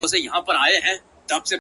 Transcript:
• زما د نصیب جامونه څرنګه نسکور پاته دي,